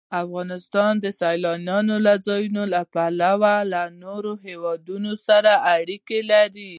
افغانستان د سیلانی ځایونه له پلوه له نورو هېوادونو سره اړیکې لري.